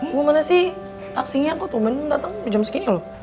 gue mana sih taksinya kok tumen dateng jam segini loh